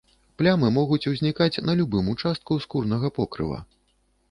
Плямы могуць узнікаць на любым участку скурнага покрыва.